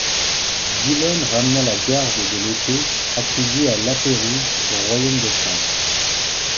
Dillon ramena la garde de l'épée attribuée à Lapérouse au royaume de France.